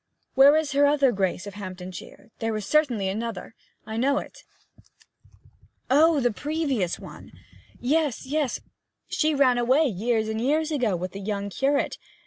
'Where is her other Grace of Hamptonshire? There certainly was another. I know it.' 'Oh, the previous one! Yes, yes. She ran away years and years ago with the young curate.